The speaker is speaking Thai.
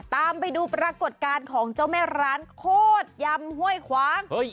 ตามไปดูปรากฏการณ์ของเจ้าแม่ร้านโคตรยำห้วยขวาง